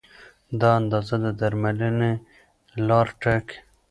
دا اندازه د درملنې لار ټاکي.